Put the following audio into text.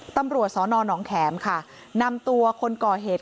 ตำรวจสนหนองแขมค่ะนำตัวคนก่อเหตุ